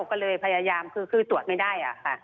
ก็เลยพยายามคือตรวจไม่ได้ค่ะ